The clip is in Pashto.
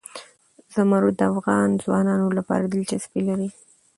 زمرد د افغان ځوانانو لپاره دلچسپي لري.